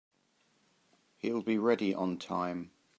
He'll be ready on time.